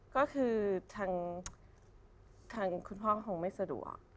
ก็คือทางคุณพ่อคงไม่สะดวก